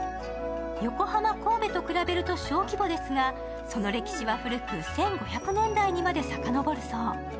横浜、神戸と比べると小規模ですがその歴史は古く、１５００年代にまでさかのぼるそう。